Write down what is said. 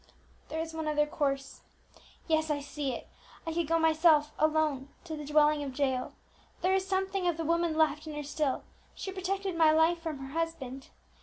"There is one other course; yes, I see it. I could go myself alone to the dwelling of Jael; there is something of the woman left in her still, she protected my life from her husband.